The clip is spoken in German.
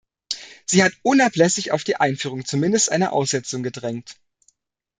Sie hat unablässig auf die Einführung zumindest einer Aussetzung gedrängt.